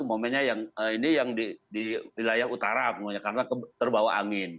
momennya yang ini yang di wilayah utara pokoknya karena terbawa angin